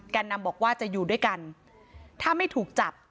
นำบอกว่าจะอยู่ด้วยกันถ้าไม่ถูกจับ